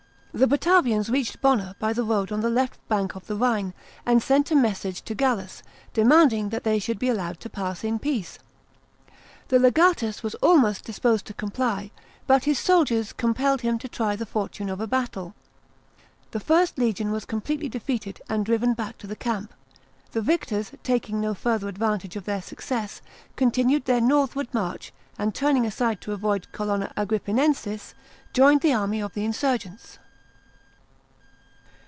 The Batavians reached Bonna by the road on the left bank of the Rhine, and sent a message to Gallus, demanding that they should be allowed to pass in peace. The leaatus was almost disposed to comply, but his soldiers com pelled him to try the fortune of a battle. The 1st legion was completely defeated, and driven back to the camp. The victors, taking no further advantage of their success, continued their north ward march, and, turning aside to avoid Colonia Agrippinensis, joined the army of the insurgents.